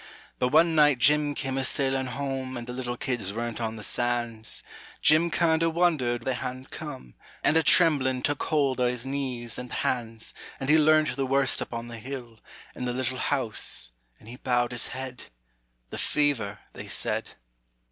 But one night Jim came a sailin' home And the little kids weren't on the sands; Jim kinder wondered they hadn't come, And a tremblin' took hold o' his knees and hands, And he learnt the worst up on the hill, In the little house, an' he bowed his head, "The fever," they said.